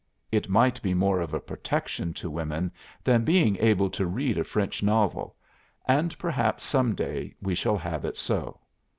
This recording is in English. It might be more of a protection to women than being able to read a French novel, and perhaps some day we shall have it so.